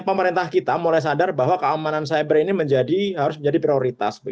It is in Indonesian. pemerintah kita mulai sadar bahwa keamanan cyber ini harus menjadi prioritas